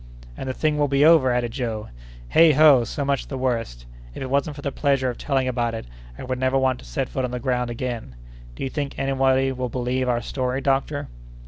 "And the thing will be over!" added Joe. "Heigh ho! so much the worse. If it wasn't for the pleasure of telling about it, I would never want to set foot on the ground again! Do you think anybody will believe our story, doctor?"